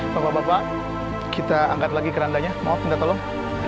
bapak bapak kita angkat lagi kerandanya maaf minta tolong